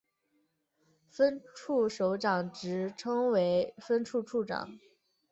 分处首长职称为分处处长。